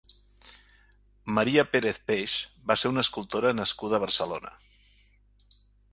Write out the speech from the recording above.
Maria Pérez Peix va ser una escultora nascuda a Barcelona.